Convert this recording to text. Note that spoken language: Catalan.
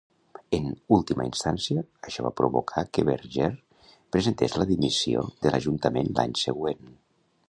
En última instància, això va provocar que Berger presentés la dimissió de l"ajuntament l"any següent.